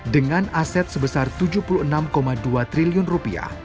dengan aset sebesar tujuh puluh enam dua triliun rupiah